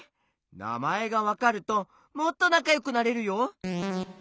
なまえがわかるともっとなかよくなれるよ。